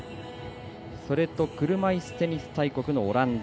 それと車いすテニス大国のオランダ。